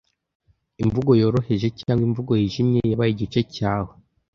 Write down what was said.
Imvugo yoroheje cyangwa imvugo yijimye yabaye igice cyawe